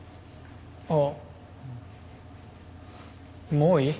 もういい？